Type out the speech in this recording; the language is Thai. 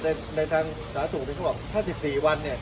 ในในทางสาธารณ์สูงที่พูดบอกถ้าสิบสี่วันเนี้ย